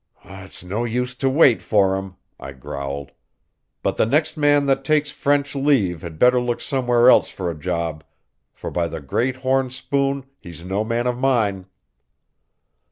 "It's no use to wait for him," I growled. "But the next man that takes French leave had better look somewhere else for a job, for by the great horn spoon, he's no man of mine."